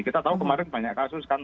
kita tahu kemarin banyak kasus kan